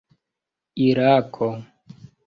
irako